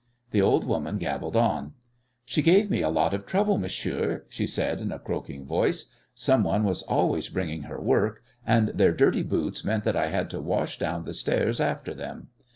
The old woman gabbled on. "She gave me a lot of trouble, monsieur," she said, in a croaking voice. "Some one was always bringing her work, and their dirty boots meant that I had to wash down the stairs after them.